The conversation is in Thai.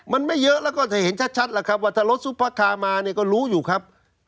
มันไม่เยอะแล้วก็จะเห็นชัดแล้วครับว่าถ้ารถซุปเปอร์คาร์มาเนี่ยก็รู้อยู่ครับ